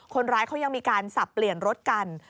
คนร้ายเขายังมีการสับเปลี่ยนรถกัน